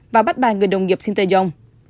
và bắt bài người đồng nghiệp sinteyong